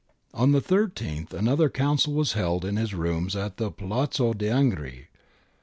On the thirteenth another council was held in his rooms at the Palazzo d'Angri.